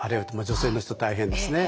女性の人大変ですね。